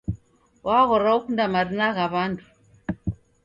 Waghora okunda marina gha w'andu.